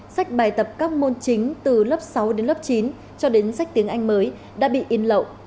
sách bài tập các môn chính từ lớp sáu đến lớp chín cho đến sách tiếng anh mới đã bị in lậu